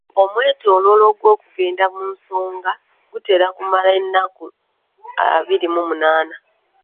Omwetooloolo gw'okugenda mu nsonga gutera kumala nnaku abiri mu munaana.